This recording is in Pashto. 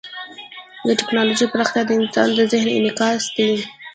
د ټیکنالوژۍ پراختیا د انسان د ذهن انعکاس دی.